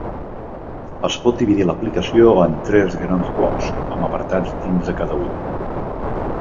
Es pot dividir l'aplicació en tres grans blocs amb apartats dins de cada un.